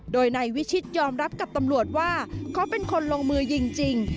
โดยนายวิชิตยอมรับกับตำรวจว่าเขาเป็นคนลงมือยิงจริง